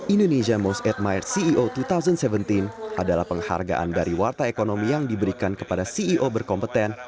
indonesia most admire ceo dua ribu tujuh belas adalah penghargaan dari warta ekonomi yang diberikan kepada ceo berkompeten